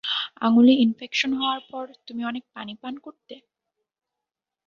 আঙুলে ইনফেকশন হওয়ার পর তুমি অনেক পানি পান করতে?